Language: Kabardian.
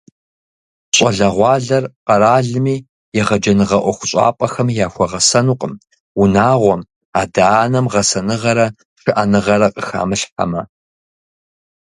Щӏалэгъуалэр къэралми, егъэджэныгъэ ӏуэхущӏапӏэхэми яхуэгъэсэнукъым, унагъуэм, адэ-анэм гъэсэныгъэрэ шыӏэныгъэрэ къыхамылъхьэмэ.